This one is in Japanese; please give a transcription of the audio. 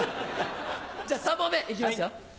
じゃあ３問目いきますよ。